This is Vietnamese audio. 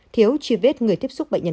thiếu chi vết người tiếp xúc bệnh nhân